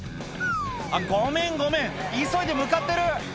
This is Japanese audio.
「あっごめんごめん急いで向かってる」